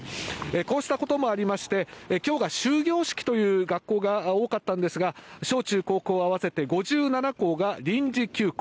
こうしたこともありまして今日が終業式という学校が多かったんですが小中高校合わせて５７校が臨時休校。